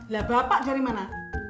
lah bapak dari mana